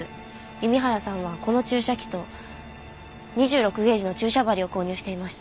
弓原さんはこの注射器と２６ゲージの注射針を購入していました。